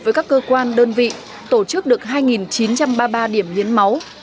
với các cơ quan đơn vị tổ chức được hai chín trăm ba mươi ba điểm hiến máu